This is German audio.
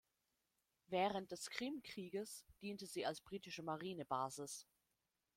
Während des Krimkrieges diente sie als britische Marine-Basis.